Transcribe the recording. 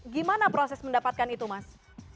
gimana proses mendapatkan itu mas